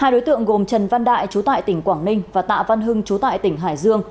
hai đối tượng gồm trần văn đại chú tại tỉnh quảng ninh và tạ văn hưng chú tại tỉnh hải dương